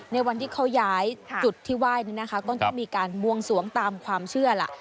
ในวันที่เขาย้ายจุดที่ไหว้นี่นะคะก็ต้องมีการบวงสวงตามความเชื่อล่ะ